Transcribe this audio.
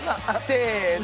せの！